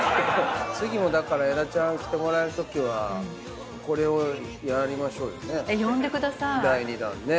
次もだから矢田ちゃん来てもらえるときはこれをやりましょうよね。